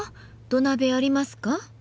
土鍋ありますか？